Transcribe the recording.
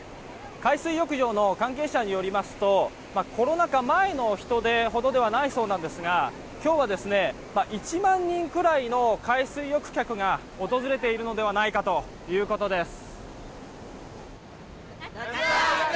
海水浴場の関係者によりますとコロナ禍前の人出ほどではないそうなんですが今日は１万人くらいの海水浴客が訪れているのではないかということです。